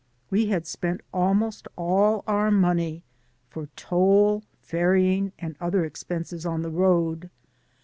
We had spent al most all our money for toll, ferrying and other expenses on the road.